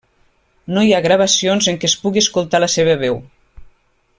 No hi ha gravacions en què es pugui escoltar la seva veu.